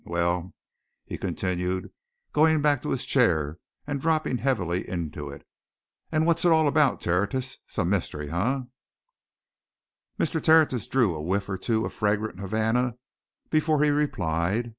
"Um! Well?" he continued, going back to his chair and dropping heavily into it. "And what's it all about, Tertius? Some mystery, eh?" Mr. Tertius drew a whiff or two of fragrant Havana before he replied.